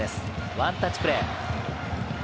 ワンタッチプレー。